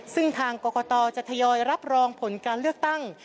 ซึ่งทางกรกตจะทยอยรับรองผลการเลือกตั้ง